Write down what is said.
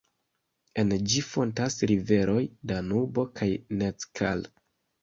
En ĝi fontas riveroj Danubo kaj Neckar.